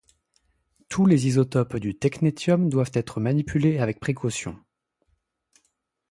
Tous les isotopes du technétium doivent être manipulés avec précaution.